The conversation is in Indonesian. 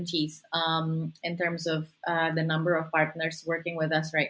pasangan yang bekerja dengan kami sekarang